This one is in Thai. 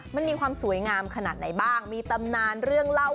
มันมีความสวยงามขนาดไหนบ้างมีตำนานเรื่องเล่า